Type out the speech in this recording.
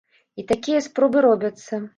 І такія спробы робяцца.